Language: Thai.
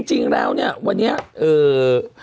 จริงแล้วมาเมื่อกี้